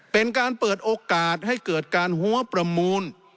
เป็นการเปิดโอกาสให้เกิดการหัวประมูล